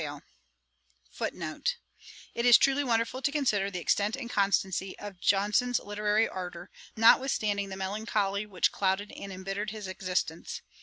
It is truly wonderful to consider the extent and constancy of Johnson's literary ardour, notwithstanding the melancholy which clouded and embittered his existence.